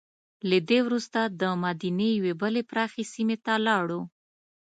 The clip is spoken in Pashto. له دې وروسته دمدینې یوې بلې پراخې سیمې ته لاړو.